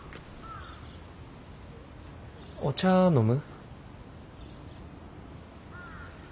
お茶飲む？